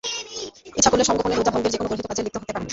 ইচ্ছা করলে সংগোপনে রোজা ভঙ্গের যেকোনো গর্হিত কাজে লিপ্ত হতে পারে।